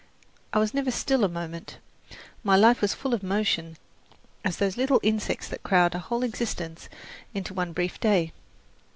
I was never still a moment; my life was as full of motion as those little insects that crowd a whole existence into one brief day.